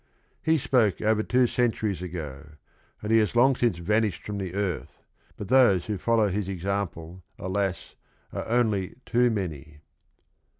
He spoke over two centuries ago, and he has long since vanished from the earth, but those who follow his example, alas, are only too many.